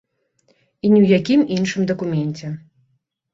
І ні ў якім іншым дакуменце.